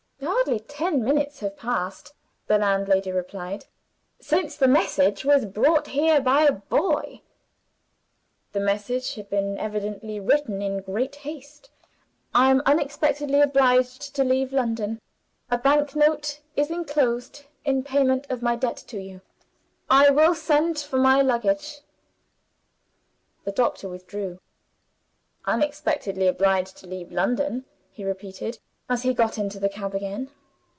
"Hardly ten minutes have passed," the landlady replied, "since that message was brought here by a boy." The message had been evidently written in great haste: "I am unexpectedly obliged to leave London. A bank note is inclosed in payment of my debt to you. I will send for my luggage." The doctor withdrew. "Unexpectedly obliged to leave London," he repeated, as he got into the cab again.